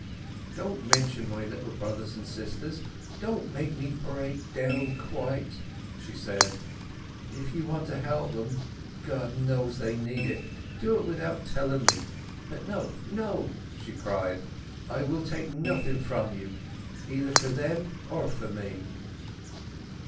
"Don't mention my little brothers and sisters—don't make me break down quite!" she said. "If you want to help them—God knows they need it—do it without telling me. But no, no!" she cried. "I will take nothing from you, either for them or for me!"